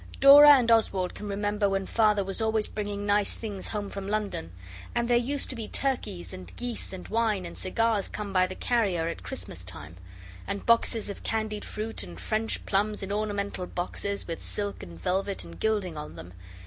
Dora and Oswald can remember when Father was always bringing nice things home from London, and there used to be turkeys and geese and wine and cigars come by the carrier at Christmas time, and boxes of candied fruit and French plums in ornamental boxes with silk and velvet and gilding on them.